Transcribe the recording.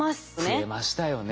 増えましたよね。